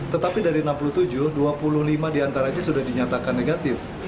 tetapi dari enam puluh tujuh dua puluh lima diantaranya sudah dinyatakan negatif